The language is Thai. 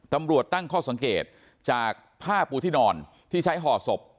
ตำรวจตั้งข้อสังเกตจากผ้าปูที่นอนที่ใช้ห่อศพ